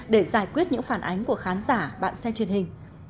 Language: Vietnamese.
để giải quyết những phản ánh của khán giả bạn xem truyền hình